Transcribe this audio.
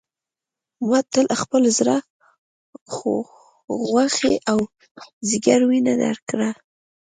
ما تا له خپل زړه غوښې او ځیګر وینه درکړه.